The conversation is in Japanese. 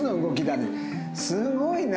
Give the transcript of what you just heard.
すごい。